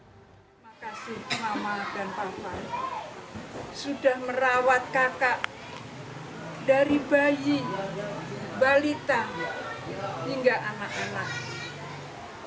terima kasih mama dan papan sudah merawat kakak dari bayi balita hingga anak anak